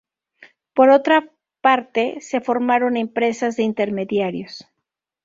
Por otra parte se formaron empresas de intermediarios.